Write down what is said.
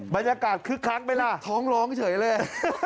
บรรยากาศคึกคักไหมล่ะท้องร้องเฉยเลย